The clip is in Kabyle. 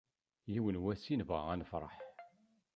Yiwen n wass i nebɣa ad nefṛeḥ.